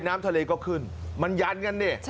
น้ำทะเลก็ขึ้นมันยันกันเนี่ย